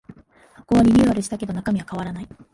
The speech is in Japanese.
箱はリニューアルしたけど中身は変わらない